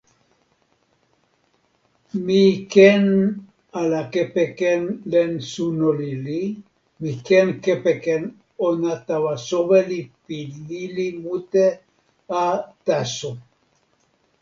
mi ken ala kepeken len suno lili, mi ken kepeken ona tawa soweli pi lili mute a taso.